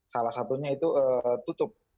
salah satunya itu tutup